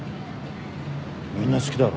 みんな好きだろ。